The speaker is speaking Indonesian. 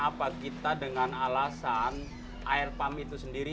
apa kita dengan alasan air pump itu sendiri